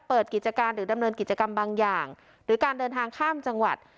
เปิดกิจการหรือดำเนินกิจกรรมบางอย่างหรือการเดินทางข้ามจังหวัด